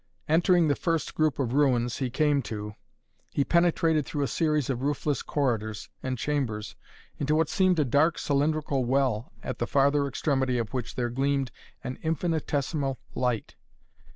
Entering the first group of ruins he came to, he penetrated through a series of roofless corridors and chambers into what seemed a dark cylindrical well at the farther extremity of which there gleamed an infinitesimal light.